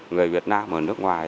người việt nam hoặc nước ngoài